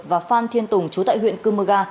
và phan thiên tùng chú tại huyện cư mơ ga